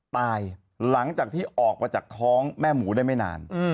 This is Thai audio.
หลังจากที่ออกมาจากท้องแม่หมูได้ไม่นาน